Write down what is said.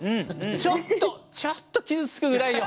ちょっとちょっと傷つくぐらいよ。